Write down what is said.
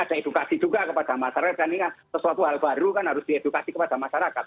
ada edukasi juga kepada masyarakat dan ini kan sesuatu hal baru kan harus diedukasi kepada masyarakat